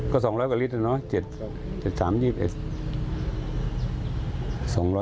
ก็๒๐๐กว่าลิตรนะ๗๓ลิตร